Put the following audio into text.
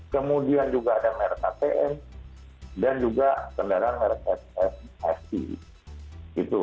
kemudian juga ada merek atm dan juga kendaraan merek st